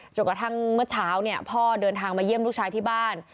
กระทั่งเมื่อเช้าพ่อเดินทางมาเยี่ยมลูกชายที่บ้าน